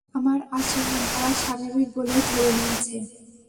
আমার আচরণ তারা স্বাভাবিক বলেই ধরে নিয়েছে।